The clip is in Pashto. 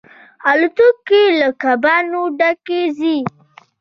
الوتکې له کبانو ډکې ځي.